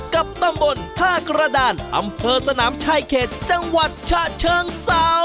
กับตำบลท่ากระดานอำเภอสนามชายเขตจังหวัดฉะเชิงเศร้า